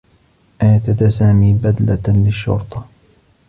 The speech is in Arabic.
ارتدى سامي بدلة للشّرطة.